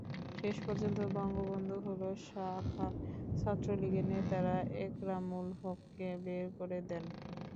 শেষ পর্যন্ত বঙ্গবন্ধু হল শাখা ছাত্রলীগের নেতারা একরামুল হককে বের করে দেন।